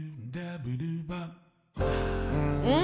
うん！